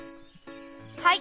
はい。